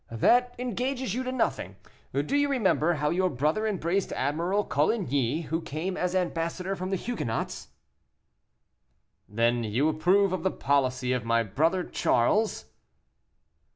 That engages you to nothing. Do you remember how your brother embraced Admiral Coligny, who came as ambassador from the Huguenots?" "Then you approve of the policy of my brother Charles?"